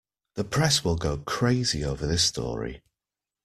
The press will go crazy over this story.